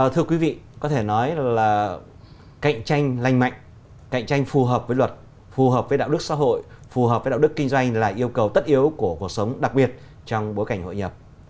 thưa quý vị có thể nói là cạnh tranh lành mạnh cạnh tranh phù hợp với luật phù hợp với đạo đức xã hội phù hợp với đạo đức kinh doanh là yêu cầu tất yếu của cuộc sống đặc biệt trong bối cảnh hội nhập